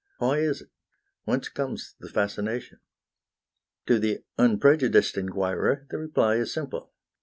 Why is it? Whence comes the fascination? To the unprejudiced inquirer the reply is simple.